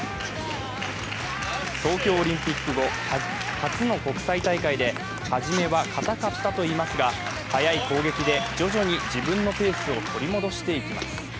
東京オリンピック後、初の国際大会ではじめは硬かったといいますが、速い攻撃で徐々に自分のペースを取り戻していきます。